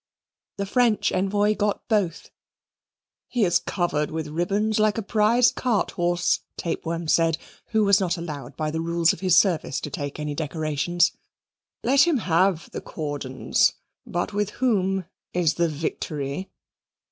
The French envoy got both. "He is covered with ribbons like a prize cart horse," Tapeworm said, who was not allowed by the rules of his service to take any decorations: "Let him have the cordons; but with whom is the victory?"